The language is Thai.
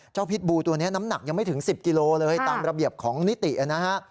เจ้าพิษบูตัวเนี้ยน้ำหนักยังไม่ถึงสิบกิโลเลยค่ะตามระเบียบของนิติอ่ะนะฮะ